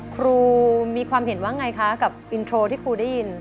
ครูมีความเห็นว่าไงคะกับอินโทรที่ครูได้ยิน